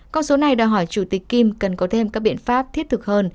con số này đòi hỏi chủ tịch kim cần có thêm các biện pháp thiết thực hơn